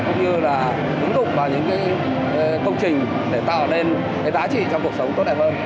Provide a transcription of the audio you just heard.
cũng như là ứng dụng vào những công trình để tạo nên cái giá trị trong cuộc sống tốt đẹp hơn